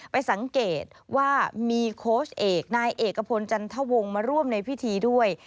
ไปสังเกตว่ามีโค้ชเอกนายเอกพลจันทวงศ์มาร่วมในพิธีด้วย